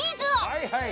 はいはい。